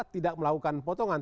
tidak melakukan potongan